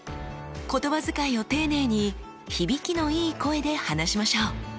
言葉遣いを丁寧に響きのいい声で話しましょう。